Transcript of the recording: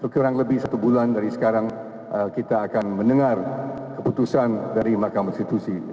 kurang lebih satu bulan dari sekarang kita akan mendengar keputusan dari mahkamah konstitusi